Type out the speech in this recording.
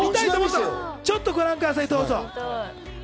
ちょっとだけご覧ください。